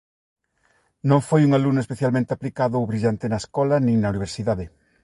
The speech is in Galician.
Non foi un alumno especialmente aplicado ou brillante na escola nin na Universidade.